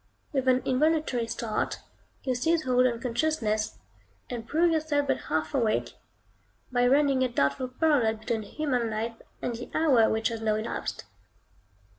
With an involuntary start, you seize hold on consciousness, and prove yourself but half awake, by running a doubtful parallel between human life and the hour which has now elapsed.